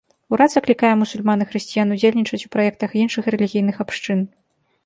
Урад заклікае мусульман і хрысціян ўдзельнічаць ў праектах іншых рэлігійных абшчын.